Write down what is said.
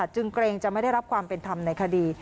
เกรงจะไม่ได้รับความเป็นธรรมในคดี